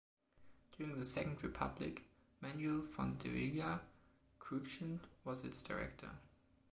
During the Second Republic, Manuel Fontdevila Cruixent was its director.